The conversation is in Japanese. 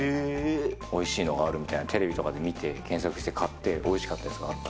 おいしいのがあるみたいなのテレビとかで見て、検索して買って、おいしかったのがある。